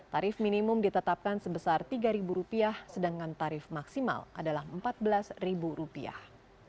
tarif minimum ditetapkan sebesar tiga rupiah sedangkan tarif maksimal adalah empat belas rupiah